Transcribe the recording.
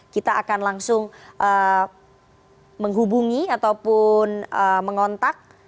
kita akan langsung menghubungi ataupun mengontak